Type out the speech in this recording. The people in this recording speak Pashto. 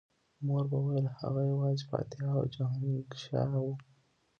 مور به ویل هغه یوازې فاتح او جهانګشا و